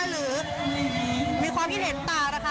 หรือมีความคิดเห็นปาก